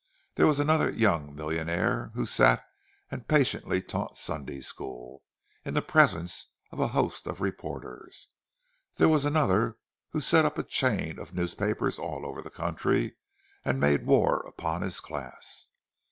There was another young millionaire who sat and patiently taught Sunday School, in the presence of a host of reporters; there was another who set up a chain of newspapers all over the country and made war upon his class.